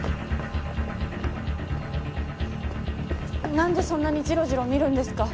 何でそんなにじろじろ見るんですか？